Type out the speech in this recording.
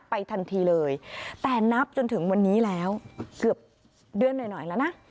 ทันทีเลยแต่นับจนถึงวันนี้แล้วเกือบเดือนหน่อยหน่อยแล้วนะ